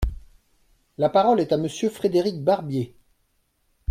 La parole est à Monsieur Frédéric Barbier.